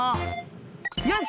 よし！